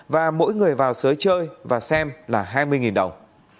và mỗi người vào giới chơi và xem là hai mươi đồng